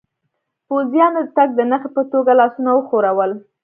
پوځیانو د تګ د نښې په توګه لاسونه و ښورول.